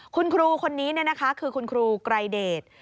คุณครูคนนี้คือคุณครูไกรเดช